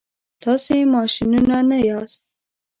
تاسي ماشینونه نه یاست.